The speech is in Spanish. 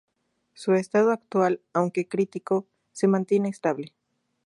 Su estado actual, aunque crítico, se mantiene estable.